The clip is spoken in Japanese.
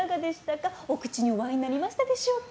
お口にお合いになりましたでしょうか？